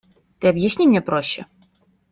Ты объясни мне проще.